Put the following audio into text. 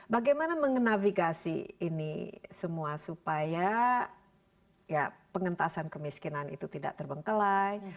bagaimana menge navigasi ini semua supaya pengentasan kemiskinan itu tidak terbengkelai